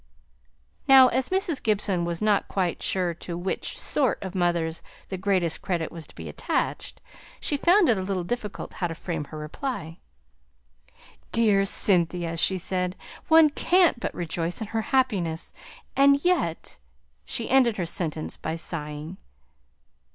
Now, as Mrs. Gibson was not quite sure to which "sort" of mothers the greatest credit was to be attached, she found it a little difficult how to frame her reply. "Dear Cynthia!" she said. "One can't but rejoice in her happiness! And yet " she ended her sentence by sighing.